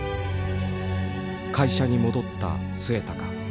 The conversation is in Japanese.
会社に戻った末高。